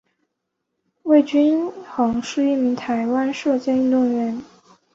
魏均珩是一名台湾射箭运动员。